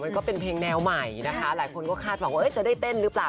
ช็อตรงุงใหม่นะคะหลายคนก็คาดว่าจะได้เต้นหรือเปล่า